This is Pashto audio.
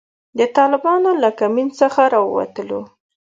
د طالبانو له کمین څخه را ووتلو.